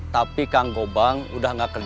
tapi kang gobang udah nggak kerja